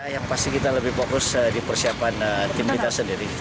yang pasti kita lebih fokus di persiapan tim kita sendiri